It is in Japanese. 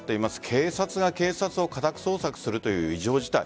警察が警察を家宅捜索するという異常事態。